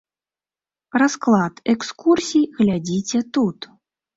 Расклад экскурсій глядзіце тут.